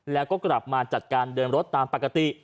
แล้วก็กลับมาจัดการเดินรถตามปกติ